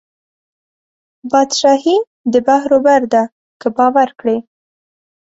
بادشاهي د بحر وبر ده که باور کړې